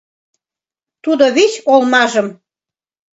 Тудо вич олмажым